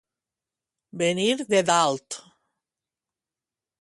Venir de dalt.